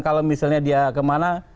kalau misalnya dia kemana